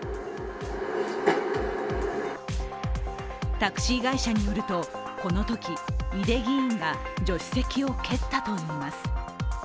タクシー会社によると、このとき井手議員が助手席を蹴ったといいます。